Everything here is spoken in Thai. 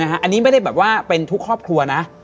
อันนี้ไม่ได้แบบว่าเป็นทุกครอบครัวนะ